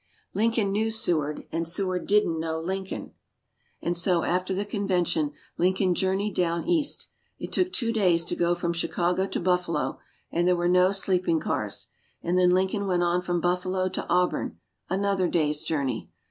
Lincoln knew Seward, and Seward didn't knew Lincoln. And so after the Convention Lincoln journeyed down East. It took two days to go from Chicago to Buffalo, and there were no sleeping cars; and then Lincoln went on from Buffalo to Auburn another day's journey.